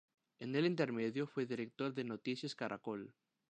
En el intermedio, fue director de "Noticias Caracol".